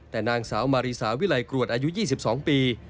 แต่นางสาวมาริสาวิลัยกรวดอายุ๒๒ปี